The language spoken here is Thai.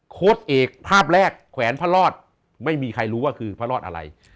โค้ดเอกภาพแรกแขวนพระรอดไม่มีใครรู้ว่าคือพระรอดอะไร